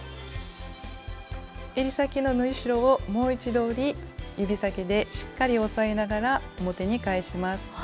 えり先の縫い代をもう一度折り指先でしっかり押さえながら表に返します。